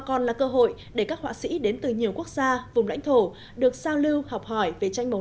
còn là cơ hội để các họa sĩ đến từ nhiều quốc gia vùng lãnh thổ được giao lưu học hỏi về tranh màu